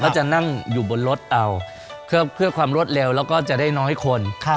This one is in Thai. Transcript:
จะนั่งอยู่บนรถเอาเพื่อความรวดเร็วแล้วก็จะได้น้อยคน